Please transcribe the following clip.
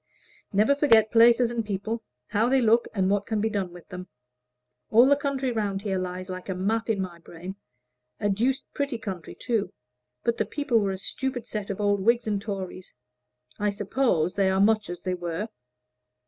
"Never forget places and people how they look and what can be done with them. All the country round here lies like a map in my brain. A deuced pretty country too; but the people were a stupid set of old Whigs and Tories. I suppose they are much as they were."